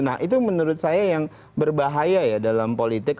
nah itu menurut saya yang berbahaya ya dalam politik